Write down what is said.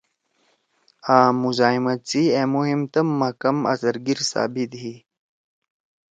آں مزاحمت سی أ مُہم تَم ما کم اثرگیِر ثابت ہی۔